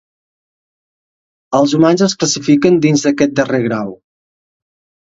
Els humans es classifiquen dins d'aquest darrer grau.